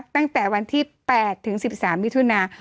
ตั้งแต่วันที่๘ถึง๑๓มิถุนา